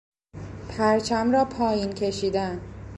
پرچم را پایین کشیدن